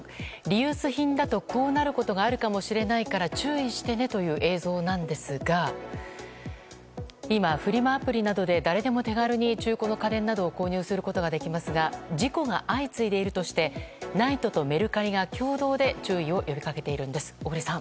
リユース品だと、こうなることがあるかもしれないから注意してねという映像なんですが今、フリマアプリなどで誰でも手軽に中古の家電などを購入することができますが事故が相次いでいるとしてＮＩＴＥとメルカリが共同で注意を呼び掛けているんです。